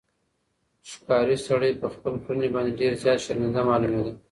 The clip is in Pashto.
ښکاري سړی په خپلې کړنې باندې ډېر زیات شرمنده معلومېده.